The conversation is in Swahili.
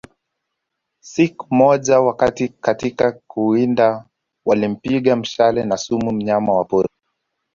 Sik moja wakiwa katika kuwinda walimpiga mshale wa sumu mnyama wa porini